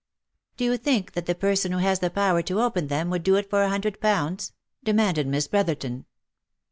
" Do you think that the person who has the power to open them would do it for a hundred pounds?" demanded Miss Brotherton.